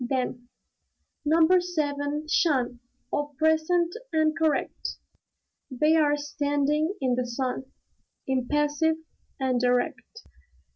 Then, "Number Seven, 'shun! All present and correct." They're standing in the sun, impassive and erect.